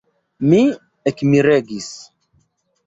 Mi ekmiregis.